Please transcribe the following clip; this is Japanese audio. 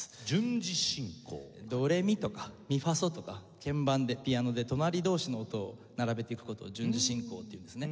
ドレミとかミファソとか鍵盤でピアノで隣同士の音を並べていく事を順次進行っていうんですね。